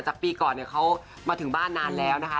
จากปีก่อนเขามาถึงบ้านนานแล้วนะคะ